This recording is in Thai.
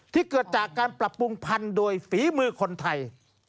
เกิดจากการปรับปรุงพันธุ์โดยฝีมือคนไทย